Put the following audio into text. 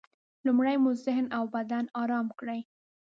لومړی مو ذهن او بدن ارام کړئ.